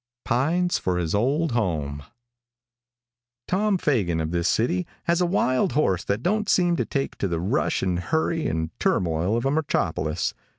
PINES FOE HIS OLD HOME |TOM FAGAN, of this city, has a wild horse that don't seem to take to the rush and hurry and turmoil of a metropolis.